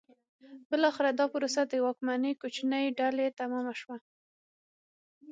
بالاخره دا پروسه د واکمنې کوچنۍ ډلې تمامه شوه.